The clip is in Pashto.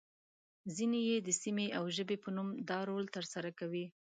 ځینې يې د سیمې او ژبې په نوم دا رول ترسره کوي.